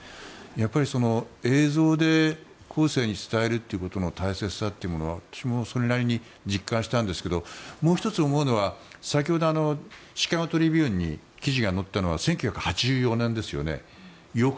やっぱり映像で後世に伝えるということの大切さというものは私もそれなりに実感しましたがもう１つ思うのは、先ほどのシカゴ・トリビューンに記事が載ったのは１９８４年ですよね。